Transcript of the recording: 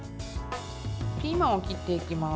ピーマンを切っていきます。